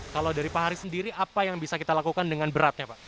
kalau dari pak haris sendiri apa yang bisa kita lakukan dengan beratnya pak